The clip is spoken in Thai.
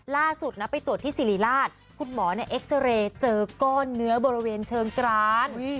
ล่าสุดนะไปตรวจที่สิริราชคุณหมอเอ็กซาเรย์เจอก้อนเนื้อบริเวณเชิงกราน